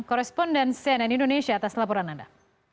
koresponden cnn indonesia atas laporan anda